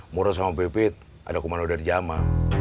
mura sama pipit ada komando dari jamal